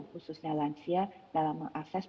khususnya lansia dalam mengakses